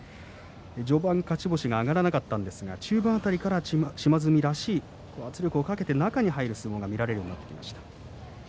序盤、勝ち星が挙がらなかったんですが中盤辺りから島津海らしい、圧力をかけて中に入る相撲が見られてきました。